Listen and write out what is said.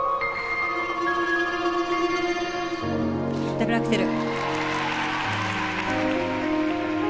ダブルアクセル。